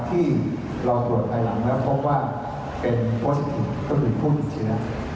ที่เราตรวจภายหลังแล้วพบว่าเป็นโพสต์ก็คือผู้ติดเชื้อ